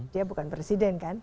dia bukan presiden kan